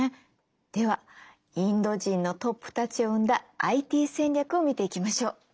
ではインド人のトップたちを生んだＩＴ戦略を見ていきましょう。